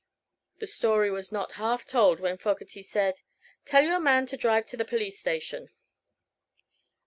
The story was not half told when Fogerty said: "Tell your man to drive to the police station."